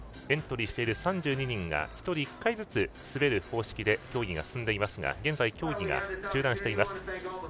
エントリーしている３２人が１人１回ずつ滑る方式で競技が進んでいますが現在、競技が中断しています。